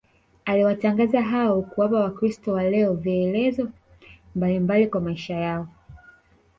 aliwatangaza hao kuwapa wakristo wa leo vielelezo mbalimbali kwa maisha yao